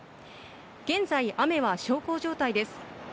現在、雨は小康状態です。